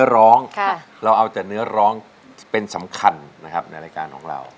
ร้องเป็นขั้นของเรา